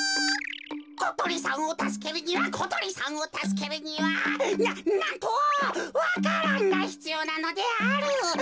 ことりさんをたすけるにはことりさんをたすけるにはななんとわか蘭がひつようなのである。